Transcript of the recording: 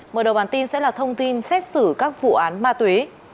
mở đầu bản tin sẽ là thông tin xét xử các vụ án ma túy